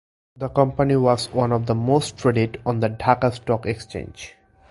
The company was one of the most traded on the Dhaka Stock Exchange.